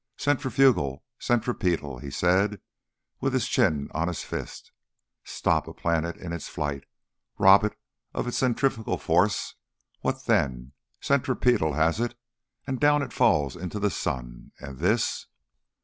"Centrifugal, centripetal," he said, with his chin on his fist. "Stop a planet in its flight, rob it of its centrifugal force, what then? Centripetal has it, and down it falls into the sun! And this